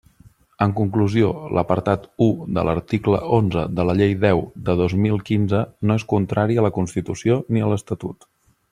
En conclusió, l'apartat u de l'article onze de la Llei deu de dos mil quinze no és contrari a la Constitució ni a l'Estatut.